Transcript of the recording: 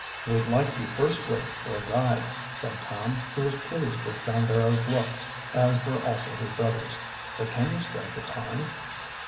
"We'd like you first rate for a guide," said Tom, who was pleased with John Barrow's looks, as were also his brothers. "But can you spare the time?"